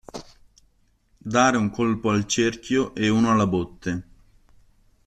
Dare un colpo al cerchio e uno alla botte.